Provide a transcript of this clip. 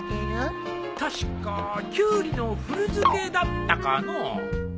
確かキュウリの古漬けだったかのう。